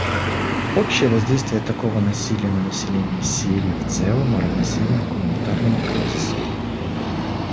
Общее воздействие такого насилия на население Сирии в целом равносильно гуманитарному кризису.